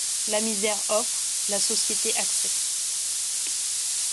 La misère offre, la société accepte.